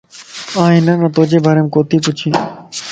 آن ھن نان توجي ڀاريم ڪوتي پڇين